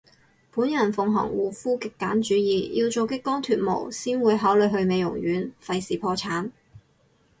本人奉行護膚極簡主義，要做激光脫毛先會考慮去美容院，廢事破產